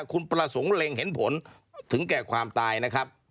คุณประสงค์เล็งเห็นผลถึงแก่ความตายนะครับ